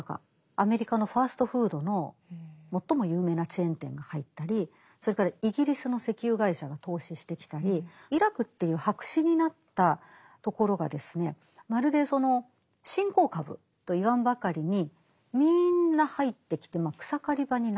アメリカのファストフードの最も有名なチェーン店が入ったりそれからイギリスの石油会社が投資してきたりイラクっていう白紙になったところがまるでその新興株と言わんばかりにみんな入ってきて草刈り場になったわけです。